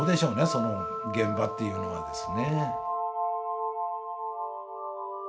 その現場っていうのはですね。